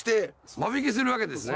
間引きするわけですね。